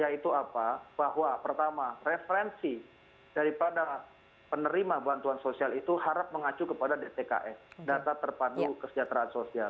yaitu apa bahwa pertama referensi daripada penerima bantuan sosial itu harap mengacu kepada dtks data terpadu kesejahteraan sosial